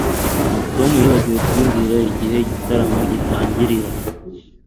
Tom yibagiwe kumbwira igihe igitaramo gitangirira